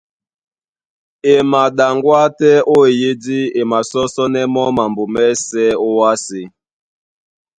E maɗaŋgwá tɛ́ ó ó eyídí, e masɔ́sɔ́nɛ́ mɔ́ mambo mɛ́sɛ̄ ówásē.